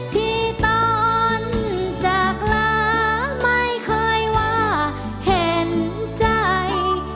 ที่ตอนจากลาไม่เคยว่าเห็นใจ